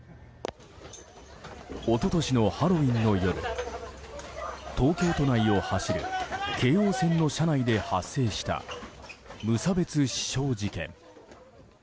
一昨年のハロウィーンの夜東京都内を走る京王線の車内で発生した無差別刺傷事件。